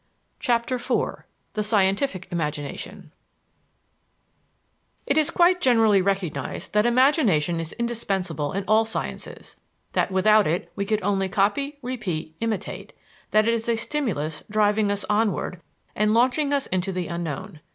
CHAPTER IV THE SCIENTIFIC IMAGINATION It is quite generally recognized that imagination is indispensable in all sciences; that without it we could only copy, repeat, imitate; that it is a stimulus driving us onward and launching us into the unknown.